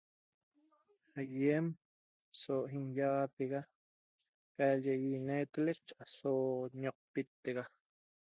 Aiem so inhiaxatexa calye cae ynexotoleq aso ñoqpittexa